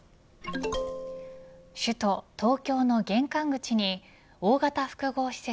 首都東京の玄関口に大型複合施設